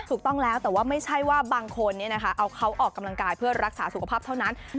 ถูกต้องแล้วแต่ว่าไม่ใช่ว่าบางคนเอาเขาออกกำลังกายเพื่อรักษาสุขภาพเท่านั้น